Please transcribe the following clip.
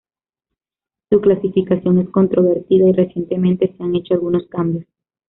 Su clasificación es controvertida y recientemente se han hecho algunos cambios.